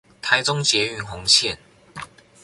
臺中捷運紅線